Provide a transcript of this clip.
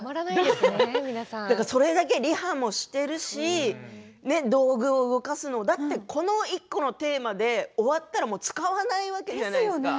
でもそれだけリハもしているし道具を動かすのだってこの１個のテーマで終わったらもう使わないわけじゃないですか。